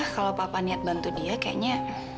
kalau papa niat bantu dia kayaknya